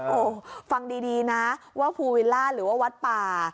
โอ้โหฟังดีนะว่าภูวิลล่าหรือว่าวัดป่า